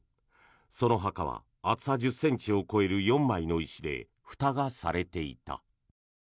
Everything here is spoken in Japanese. その墓は厚さ１０ｃｍを超える４枚の石でふたがされていた。